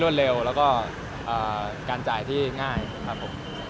เร็วแล้วก็การจ่ายที่ง่ายครับผม